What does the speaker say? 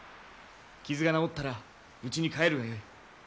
傷が治ったらうちに帰るがよい。